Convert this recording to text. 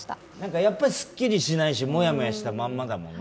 やっぱりすっきりしないし、モヤモヤしたまんまだもんね。